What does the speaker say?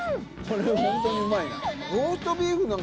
これホントにうまいな。